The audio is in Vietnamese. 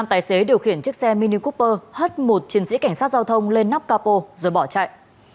tài xế điều khiển chiếc xe mini koper hất một chiến sĩ cảnh sát giao thông lên nắp capo rồi bỏ chạy